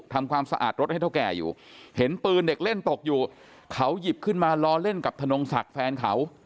ทำความสะอาดรถให้เท่าแก่อยู่เห็นปืนเด็กเล่นตกอยู่เขาหยิบขึ้นมาล้อเล่นกับธนงศักดิ์แฟนเขา